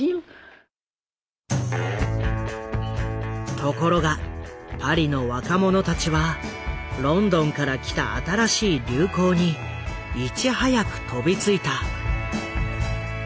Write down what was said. ところがパリの若者たちはロンドンから来た新しい流行にいち早く飛びついた。